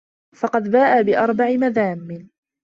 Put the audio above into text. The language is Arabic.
فَقَدْ بَاءَ بِأَرْبَعِ مَذَامَّ